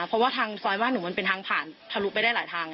เพราะว่าทางซอยบ้านหนูมันเป็นทางผ่านทะลุไปได้หลายทาง